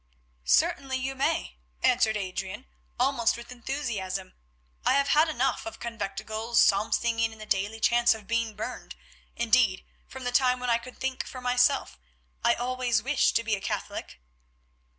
"Certainly you may," answered Adrian, almost with enthusiasm. "I have had enough of conventicles, psalm singing, and the daily chance of being burned; indeed, from the time when I could think for myself I always wished to be a Catholic."